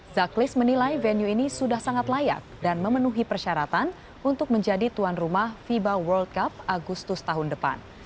zaklis menilai venue ini sudah sangat layak dan memenuhi persyaratan untuk menjadi tuan rumah fiba world cup agustus tahun depan